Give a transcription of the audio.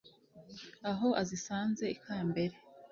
Aho azisanze ikambere